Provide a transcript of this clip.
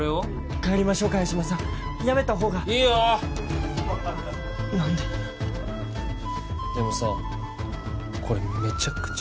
帰りましょう萱島さんやめた方がいいよ何ででもさこれメチャクチャ